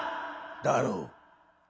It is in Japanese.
だろう。